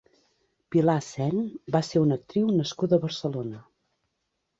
Pilar Sen va ser una actriu nascuda a Barcelona.